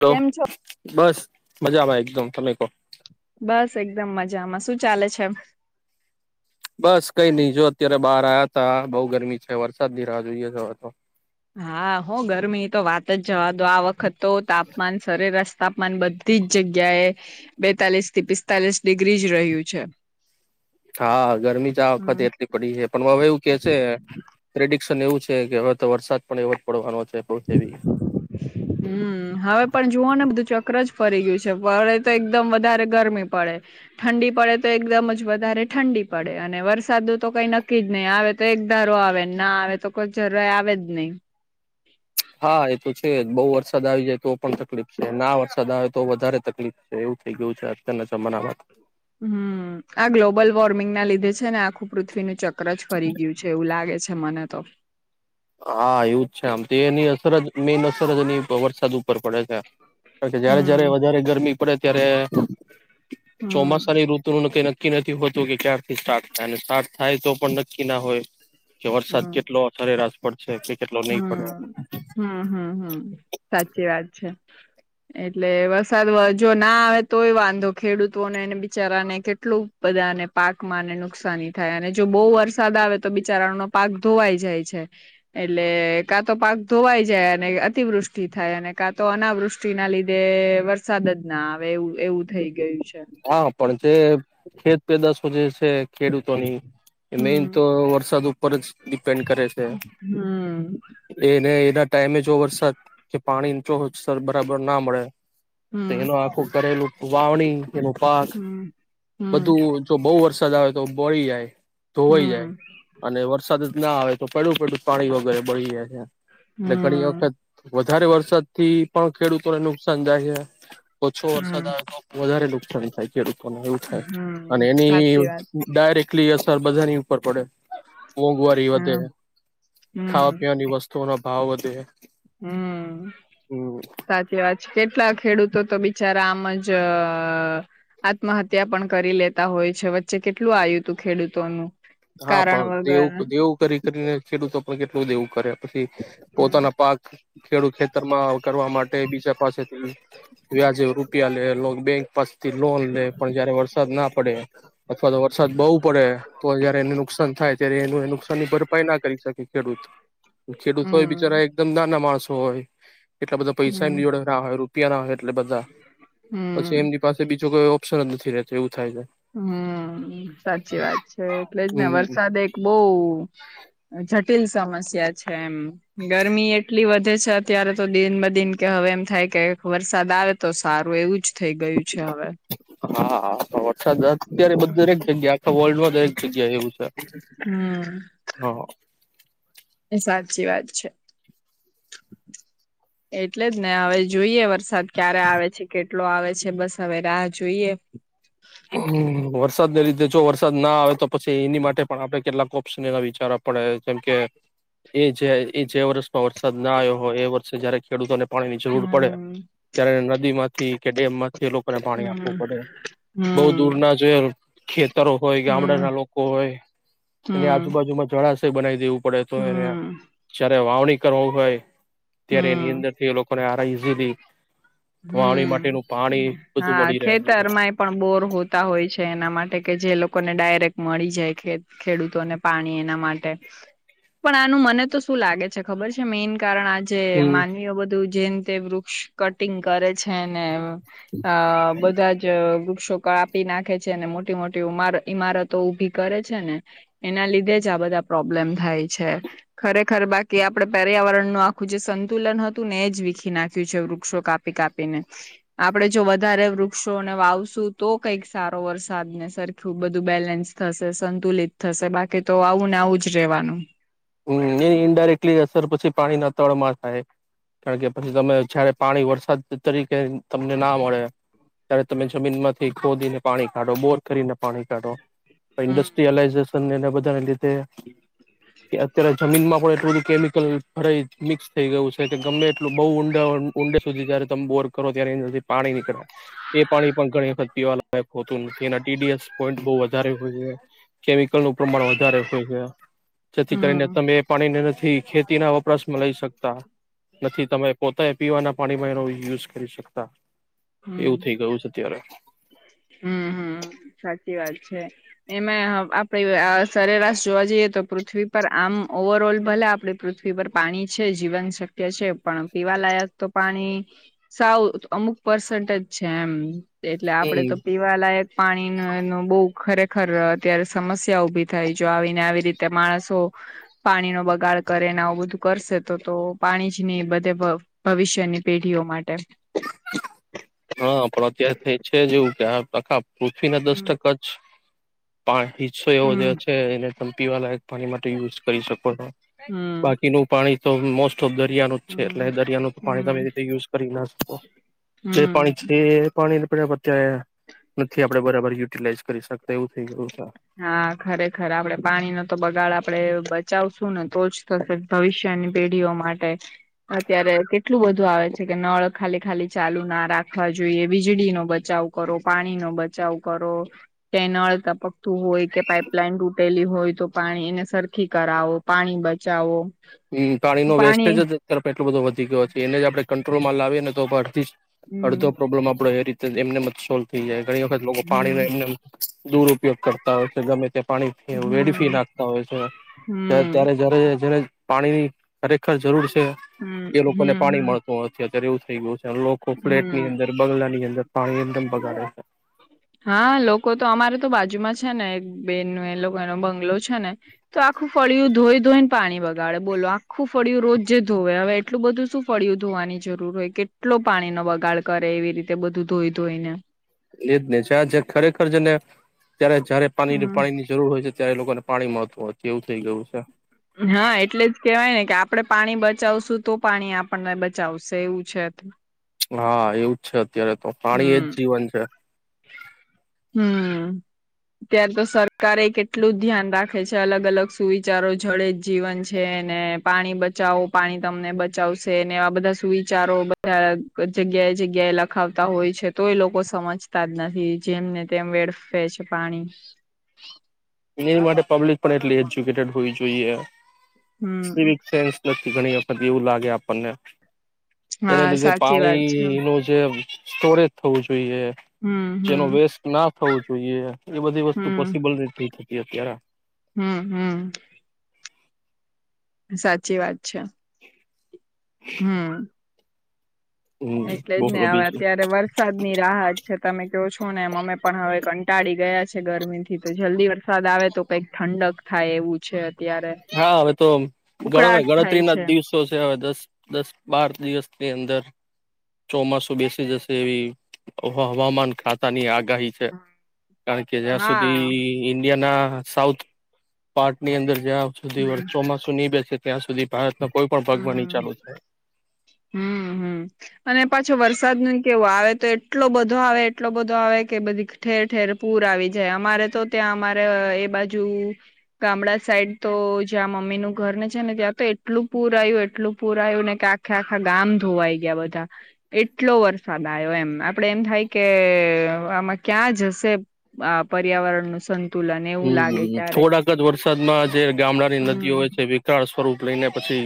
તો કેમ છો? બસ. મજા ભ એકદમ તમે કહો. બસ એકદમ મજામાં શું ચાલે છે એમ. બસ કઈ નહ જો અત્યારે બહાર આવ્યા ત બઉુ ગરમી છે વરસાદ ની રાહ જોઈએ છેવે તો. હા હો ગરમી તો વાત જ જવા દો આ વખત. તો તાપમાન સરે રસ્ તાપમાન બધી જ જગ્યાએ બેતાલીસ થી પિસ્તાલીસ ડિગ્રી જ રહ્યું છે. હા ગરમી જ આ વખત હમ એટલી પડી છે પણ હવે એવું કે છે પ્રેડિક સ એવું છે કે હવે તો વરસાદ પણ એવો જ પડવાનો છે. બહુ હેવી હમ્મ હવે પણ જુઓ ને બધું ચક્ર જ ફરી ગયું છે પડે તો એકદમ વધારે ગરમી પડે, ઠંડી પડે તો એકદમ જ વધારે ઠંડી પડે અને વરસાદનું તો કઈ નક્કી જ નહીં આવે તો એક ધારો આવે ના આવે તો કોઈ જરાય આવે જ નહી. હા એ તો છે બઉ વર્ષ વરસાદ આવી જાય તો પણ તકલીફ છે, ના વરસાદ આવે તો બહું વધારે તકલીફ છે એવું થઇ ગયું છે અત્યારના જમાનામાં. હમ્મ આ ગ્લોબલ વોર્મિંગ ના લીધે છે ને આખું પૃથ્વીનું ચક ક્ર જ ફરી ગયું છે એવું લાગે છે. મને તો. હા એવું જ છે આમ તો, એની અસર જ મેન અસર જ એની વરસાદ ઉપર પડે છે. કાર કે જયારે જયારે હમ વધારે ગરમી પડે ત્યારે હમ ચોમાસાની ઋતુ નું કઈ નક નક્કી નથી હોતું કે ક્યારથી સ્ટાર્ટ થાય અને સ્ટાર્ટ થાય તો પણ નક્કી ના હોય કે વરસાદ કેટલો સરેરાશ પડશે કે કેટલો નહીં પડે હમ્મ, હમ્મ, હમ્મ, હમ્મ. સાચી વાત છે એટલે વરસાદ જો ના આવે તોય વાંધો ખેડૂતોને ને બિચારાને કેટલું બધાને પાકમાંને નુકસાની થાય અને જો બહુ વરસાદ આવે તો બિચારાનો પાક ધોવાઈ જાય છે એટલે કા તો પાક ધોવાઈ જાય અને અતિવૃષ્ટિ થાય અને કાં તો અનાવૃષ્ટિ ના લીધે વરસાદ જ ના આવે એવું એવું થઈ ગયું છે. હા પણ જે ખેત પેદાશો જે છે ખેડૂતોની મેન હમ તો વરસાદ ઉપર જ ડિપેન્ડ કરે છે, હમ એને એના ટાઈમે જો વરસાદ કે પાણી જો [unintelligible] બરાબર ના મળે તો હમ એનું આખું કરેલું વાવણી પાક હમ હમ બધું જો બો બહું વરસાદ આવે તો બોળી જાય. ધોવાઈ જાય હમ અને વરસાદ ના આવે તો પડ્યું, પડ્યું પાણી વગરએય બળી જાય. એટલે ઘણી હમ વખત વધારે વરસાદ થી પણ ખેડૂતોને નુકસાન જાય છે. ઓછો વરસાદ હમ આવે તો વધારે લોકો [unintelligible] ખેડૂતો એવું થાય અને હમ એની સાચી વાત ડાયરેક એટલી અસર બધાની પર પડે. મોંઘવારી વધે, હમ ખાવા પીવાની વસ્તુઓનો ભાવ વધે. હમ્મ હમ સાચી વાત છે. કેટલા ખેડૂત તો તો બિચારા આમ જ અહ આત્મહત્યા પણ કરી લેતા હોય છે વચ્ચે કેટલું આવ્યું તું ખેડૂતોનું. હા કારણ પણ વગર દેવું દેવું કરી કરીને ખેડૂતો તો કેટલું દેવું કરે. પ હમ પોતાના પાક ખેડૂત ખેતરમાં કરવા માટે બીજા પાસે વ્યાજે રૂપિયા લે બેંક. પસ [unintelligible] થી લોન લે પણ જયારે વરસાદ ના પડે અથવા તો વરસાદ બહવુ પડે તો જ નુકસાન થાય ત્યારે એ નુકસાન ની ભરપાઈ ના કરી શકે ખેડૂત ખેડૂત હોય હમ બિચારા એકદમ નાના માણસો હોય. એટલા બધા પૈસા હમ એમની જોડે [unintelligible] એટલે બધા પછી હમ એમની પાસે બીજો કયો ઓપ્શન જ નથી રહેતો એવું થાય છે હમ સાચી વાત છે એટલે હમ વરસાદ એક બહ જટિલ સમસ્યા છે એમ ગરમી એટલી વધ વધ છે અત્યારે તો દિન બ દિન કે હવે એમ થાય કે વરસાદ આવે તો સારું એવું જ થઈ ગયું છે હવે હા સ. સા અત્યારે બધ દરેક જગ્યાએ વર્લ્ડ માં દરેક જગ્યા એવું છે હમ હા એ સાચી વાત છે. એટલે જ ને હવે જોઈએ વરસાદ ક્યારે આવે છે કેટલો આવે છે બસ હવે રાહ જોઈએ. હ વરસાદને લીધે જો વરસાદ ના આવે તો પછીએની માટે પણ આપણે કેટલાક વિચાર પડે જેમકે એ જે એ જે વર્ષમાં વરસાદ ના આવ્યો હોય એ વર્ષે જયારે ખેડૂતોને પાણી ની જરૂર પડે હમ ત્યારે નદી માં ઠીક એ ડેમ એ લોકોને પાણી આપવું હમ પડે હમ ના જોય ખેત વિસ્તાર હોય હમ ગામડા ના લોકો હોય એની હમ આજુબાજુમાં જણા બનાઈ દવું પડે તો હમ ચારે વાવણી કરો એ ત્યારે એની હમ અંદર થી એ લોકોને આરા ઈઝી વાવણી માટેનું પાણી હમ બધું હા મળી રહેું. ખેતરમાંય પણ બોર હોતા હોય છે એના માટે કે જે લોકોને ડાયરેક્ટ મળી જાય, ખેડૂતોને પાણી એના માટે પણ આનું મને તો શું લાગે છે ખબર છે મેઈન કારણ આજે હમ માનવીઓ બધું જેન તે વૃક્ષ કટ ટિંગ કરે છે ને અ બધા જ વૃક્ષો કાપી નાખે છે મોટી મોટી ઉ ઈમારતો ઉભી કરે છે ને એના લીધે જ આ બધા પ્રોબ્લેમ થાય છે ખરેખર બાકી આપડે પર્યાવરણનું આખું જે સંતુલન હતું ને એ જ વીખી નાખ્યું છે. વૃક્ષો કાપી કાપીને, આપણે જો વધારે વૃક્ષોને વાવશું તો કઈક સારો વરસાદ ને સરખું બધું બેલેન્સ થશે સંતુલિત થશે બાકી તો આવું ને આવું જ રેવાનું. હમ એની ઇન્ડાયરેક્ટલી અસર પછી પાણીના તળમાં થાય કારણ કે પછી તમે જયારે પાણી વરસાદ તરીકે તમને ના મળે ત્યારે તમે જમીન માંથી ખોદીને પાણી કાઢો બોર કરીને પાણી કાઢો હમ ઈન્સ્ટ્રીયલાઈઝેશન એ વધારે [unintelligible] તે કે અત્યારે જમીનમાં પણ એ બધું કેમિકલ ભરાઈ મિક્સ થઈ ગયું છે કે ગમે એટલું બહુ ઊંડા ઊંડે સુધી જયારે તમ બોર કરો ત્યારે અંદરથી પાણી નીકળે એ પાણી પણ ઘણી વખત પીવાતું નથી એના ટી ડી એસ પોઇન્ટ બહુ વધારે હોય છે કેમિકલનું પ્રમાણ વધારે હોય છે થી કરીને હમ તમે એ પાણીને નથી ખેતીના વપરાશમાં લઈ શકતા નથી તમે પોતા ને પીવાના પાણીમાં એનો યુઝ કરી શકતા એવું થઇ હમ ગયું છે અત્યારે હમ હમ સાચી વાત છે એમાં આપડી સરેરાશ જોવા જઈએ તો પૃથ્વી પર આમ ઓવર ઓલ ભલે આપ પૃથ્વી પર પાણી છે જીવન શક્ય છે પણ પીવાલાયક તો પાણી સાવ અમુક પર્સન્ટેજ છે એમ. એટલે હમ આપડે તો પીવાલાયક પાણી નો બહ ખરેખ ખર અત્યારે સમસ્યા ઉભી થાય જો આવીને આવી રીતે માણસો પાણી નો બગાડ કરે ને આવું બધું કરશે તો તો પાણી જ ની બધે ભવિષ્યની પેઢીઓ માટે. હા પણ અત્યારે થઈ છે જેવું કે હા કફી ના દસ હમ ટકા જ પણ હિસ્સો એવો જે હમ છે એને તમ પીવા લાયક પાણી માટે યુઝ કરી શકો છો હમ બાકીનું પાણી તો મોસ્ટ તો દરિયાનું જ છે હમ એટલે દરિયાનું તો પાણી તમે હમ રીતે યુઝ કરી ના શકો. જે પાણી હમ છે એ પાણી [inaudible] [unintelligible] નથી આપડે બરાબર યુટિલાઈઝ કરી શકતા એવું થઈ ગયું. છે. હા, ખરેખર આપડે પાણી નો તો બગાડ આપડે બ ચાવ શું ને તો જ થશે ભવિષ્યની પેઢીઓ માટે અત્યારે કેટલું બધું આવે છે કે નળ ખાલી ખાલી ચાલુ ના રાખવા જોઈએ. વીજળી નો બચાવ કરો પાણી નો બચાવ કરો કે નળ તપક તુ હોય કે પાપલાઈન તૂટેલી હોય તો પાણી એને સરખી કરાવો પાણી બચાવો. હમ પાણી નો વેસ્ટેજ જ અત્યારે ત્યારે એટલો બધો વધી ગયો છે. એને જડણે કંટ્રોલમાં લાવીએ ને તો [unintelligible] હમ અડધો પ્રોબ્લેમ આપડે એ રીત એમનેમ જ સોલ્વ થઈ જાય. ઘણી વખત લોકો પાણીનો હમ એમ નેમ દુરપયોગ કરતા હોય છે ગમે તે પાણી વેડફી હમ નાખતા હોય છે. હમ ત્યારે જ્યારે જ્યારે પાણી ની ખરેખર જરૂર છ છે. હમ એ લોકો ને હમ પાણી હમ મળતું નથી. [unintelligible] થઈ [unintelligible] લોકો ફ્લેટ હમ ની અંદર બગલાની અંદર પાણી એકદમ બગાડે છે. હા, લોકો તો અમારે તો બાજુમાં છે ને એક બેન. એ લોકો એનો બંગલો છે ને. તો આખું ફળિય ધોઈ ધોઈને પાણી બગાડે બોલો આખું ફળિયું રોજ ધોવે હવે એટલું બધું શું ફળું ધોવાની જરૂર હોય કેટલો પાણી નો બગાડ કરે એવી રીતે બધું ધોઈ ધોઈને. એજ ને [unintelligible] ખરેખર જેને ત્યારે જયારે પાણી પાણી ની જરૂર હોય છે. ત્યારે લોકોને પાણી મહત્વ કેવુંક થઇ ગયું છે. હા, એટલે જ કેવાય ને કે આપડે પાણી બચાવશું તો પાણી આપણને બચાવશે એવું છે. ત હા, એવું છે. અત્યારે તો પાણી એ જ હમ જીવન છે. ત્યારે તો સરકારે કેટલું ધ્યાન રાખે છે. અલગ-અલગ સુવિચારો જડે જ જીવન છે ને પાણી બચાવો પાણી તમને બચાવશે ને એવા બધા સુવિચારો બધા જગ્યાએ જગ્યાએ લખ ખાવતા હોય છે. તો એ લોકો સમજતા જ નથી જેમને તેમ વેડફે છે પાણી. [unintelligible] માટે પબ્લિક પણ એટલી એજ્યુકેટેડ હોવી જોઈએ. [inaudible] [unintelligible] હમ ઘણી વખત એવું લાગે આપણને. એને હા લીધે સાચી વાત છે પાણી નું જે સ્ટોરેજ થવું જો ઈએ. હમ જેનો હમ વેસ્ટ ના થવું જોઈએ. એ બધી વસ્તુ હમ પોસિબલ નથી. અત્યારે હમ હમ. સાચી વાત છે. હમ. હમ એટલે જ ને, બોલો હવે બીજું અત્યારે વરસાદ ની રાહત છે, તમે ક્યો છો ને એમ અમે પણ હવે કંટાળી ગયા છે ગરમી થી તો, જલ્દી વરસાદ આવે તો કંઈક ઠંડક થાય એવું છે અ હા, હવે તો ગણો ને થાય ગણતરીના જ છે દિવસો છે, હવે દસ દસ બાર દિવસની અંદર ચોમાસું બેસી જશે એવી હવામાન ખાતાની આગ ગાહી છે, કારણ કે જ્યાં હા સુધી ઇન્ડિયાના સાઉથ પાર્ટની અંદર જ્યાં સુધી હમ ચોમાસું નહીં બેસે ત્યાં સુધી ભારતના કોઈ પણ ભાગમાં નહીં હમ ચાલુ થાય. હમ હમ અને પાછું વરસાદનું ય કેવું, આવે તો એટલો બધો આવે એટલો બધો આવે કે બધી ઠેર ઠેર પૂર આવી જાય, અમારે તો ત્યાં અમારે એ બાજુ ગામડા સાઈડ તો જ્યાં મમ્મીનું ઘર ને છે ને ત્યાં તો એટલું પૂર આયવું એટલું પૂર આયવું ને કે આખા આખા ગામ ધોવાઈ ગ્યા બધા, એટલો વરસાદ આયો એમ, આપડે એમ થાય કે આમાં ક્યાં જશે આ પર્યાવરણનું સં હમ થોડાક જ વરસાદમાં જે ગામડાની નદીઓ હમ હોય છે વિકરાળ સ્વરૂપ લઈને પછી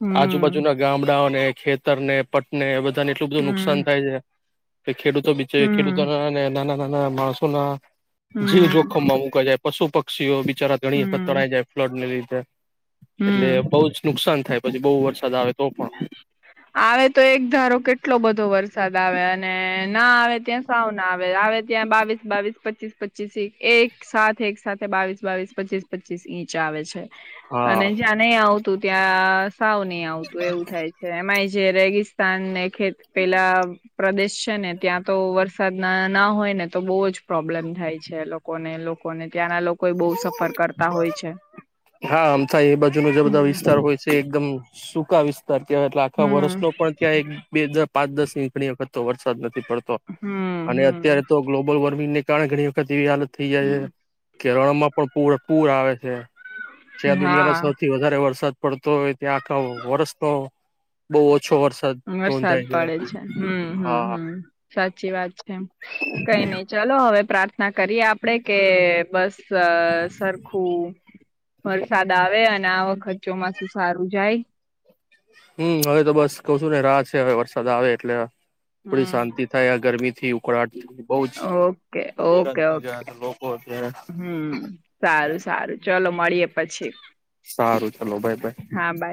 હમ આજુબાજુના ગામડાઓને ખેતરને પટને બધું બધાને એટલું બધું નુકસાન હમ થાય છે કે ખેડૂતો બિચા, હમ ખેડૂતોને નાના નાના ના માણસોના જીવ હમ જોખમમાં મુ પશુ પક્ષીઓ બિ ચારા ઘણી વખત હમ તણાઈ જાય ફ્લડને લી કે એટલે હમ બહુ જ નુકસાન થાય પછી, બહુ વરસાદ આવે તો પણ. સાદ આવે અને ના આવે ત્યાં સાવ ના આવે. આવે ત્યાં બાવીસ બાવીસ પચીસ પચી પચીસ એક સા એક સાથે બાવીસ બાવીસ પચીસ પચીસ ઇંચ આવે છે. હા અને જ્યાં નહી આવતું ત્યાં સાવ નહીં આવતું એવું થાય છે, એમાંય જે રેગીસ્ સ્તાન ને ખેત પેલા પ્રદેશ છે ને, ત્યાં તો વરસાદ ના ના હોય ને તો બોહ જ પ્રોબ્લેમ થાય છે લોકોને, લોકોને ત્યાંના લોકો ય બોહ સફર કરતા હોય છે. હા, આમ થાય એ બાજુના જે બધા વિસ્તાર હમ. હોય છે એકદમ સુખા વિસ્ તાર ત્યાં એટલે આખા હમ વરસનો પણ ત્યાં એક બે દર [unintelligible] પાંચ દસ નીકળી શકે. તો વરસાદ પડતો હમ અને અત્યારે હમ તો ગ્લોબલ વોર્મ [unintelligible] કારણ ઘણી વખત એવી હાલત. થઈ જાય હમ છે, [unintelligible] માં પણ પૂર પૂર આવે. તે જ્યાં દુનિયાનો હા. સૌથી વધારે વરસાદ પડતો હોય, ત્યા આખા વર્ષનો બહુ ઓછો વરસાદ વરસાદ નોંધાય પડે છે, હામ હમ્મ હા હામ સાચી વાત છે, કઈ નઈ ચાલો હવે પ્રાર્થના કરીએ આપડે કે બસ સ સરખું વરસાદ આવે અને આ આખો ચોમાસુ સારું જાય. હમ હવે તો બસ કહું છું, ને રાહ છે, હવે વરસાદ આવે એટલે થોડી શાંતિ થાય આ ગરમી થી ઉકળાટથી બોજ ઓકે હેરાન ઓકે થઈ ઓકે ગયા છે, લોકો ત હમ સારું સારું ચલો મળીએ પછી. સારું ચલો બાય બાય. હા બાય